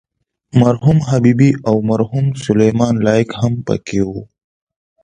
مرحوم حبیبي او مرحوم سلیمان لایق هم په کې وو.